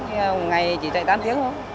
nhưng mà hôm nay chỉ chạy tám tiếng thôi